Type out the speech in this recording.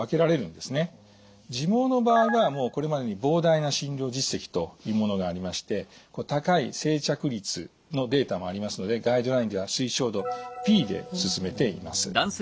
自毛の場合はもうこれまでに膨大な診療実績というものがありまして高い生着率のデータもありますのでガイドラインでは推奨度Ｂで勧めています。